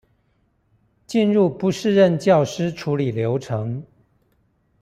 進入不適任教師處理流程